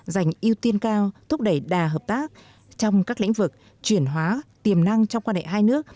dành ưu tiên cao thúc đẩy đà hợp tác trong các lĩnh vực chuyển hóa tiềm năng trong quan hệ hai nước